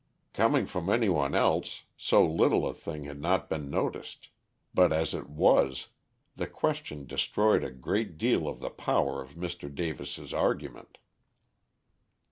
Coming from any one else, so little a thing had not been noticed; but as it was, the question destroyed a great deal of the power of Mr. Davis' argument.